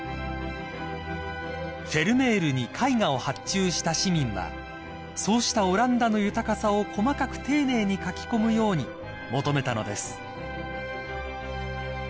［フェルメールに絵画を発注した市民はそうしたオランダの豊かさを細かく丁寧に描き込むように求めたのです］